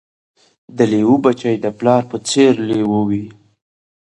د لېوه بچی د پلار په څېر لېوه وي